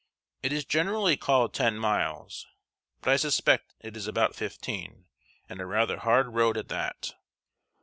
"It is generally called ten miles; but I suspect it is about fifteen, and a rather hard road at that."